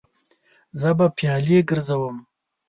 زه به پیالې ګرځوم.